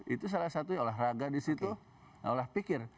itu salah satu olahraga di situ olah pikir